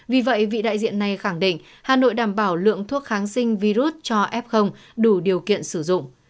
vì vậy vị đại diện này khẳng định hà nội đảm bảo lượng thuốc kháng sinh virus cho f đủ điều kiện sử dụng